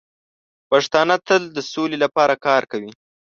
پښتانه تل د سولې لپاره کار کوي.